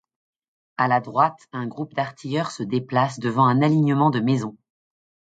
À la droite, un groupe d'artilleurs se déplacent devant un alignement de maisons.